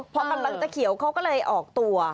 พอกำลังจะเขียวเขาก็เลยออกตัว